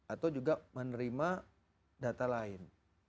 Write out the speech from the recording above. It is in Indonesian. atau juga menerima data lain